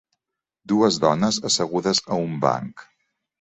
Dues dones assegudes a un banc.